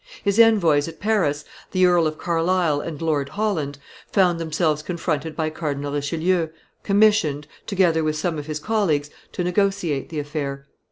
His envoys at Paris, the Earl of Carlisle and Lord Holland, found themselves confronted by Cardinal Richelieu, commissioned, together with some of his colleagues, to negotiate the affair.